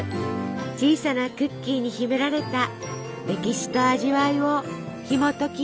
小さなクッキーに秘められた歴史と味わいをひもときます。